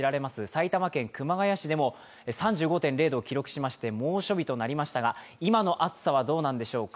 埼玉県熊谷市でも３５．０度を記録しまして猛暑日となりましたが、今の暑さはどうなんでしょうか。